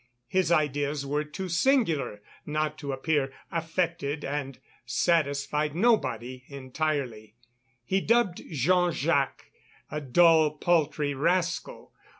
His ideas were too singular not to appear affected and satisfied nobody entirely. He dubbed Jean Jacques a dull, paltry rascal.